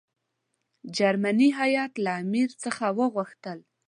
جرمني هیات له امیر څخه وغوښتل.